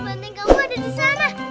banding kamu ada di sana